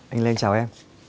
anh lên chào em